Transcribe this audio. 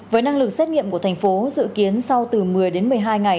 với năng lực xét nghiệm của thành phố dự kiến sau từ một mươi đến một mươi hai ngày